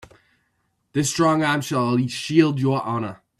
This strong arm shall shield your honor.